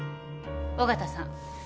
尾形さん